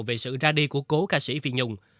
về sự ra đi của cố ca sĩ phi nhung